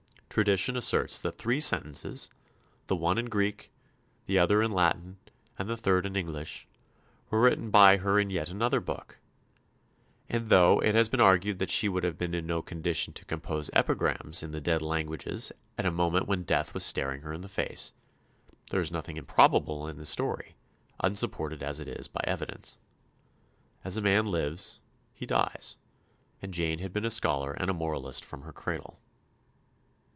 Tradition asserts that three sentences, the one in Greek, the other in Latin, and the third in English, were written by her in yet another book; and though it has been argued that she would have been in no condition to compose epigrams in the dead languages at a moment when death was staring her in the face, there is nothing improbable in the story, unsupported as it is by evidence. As a man lives, he dies; and Jane had been a scholar and a moralist from her cradle.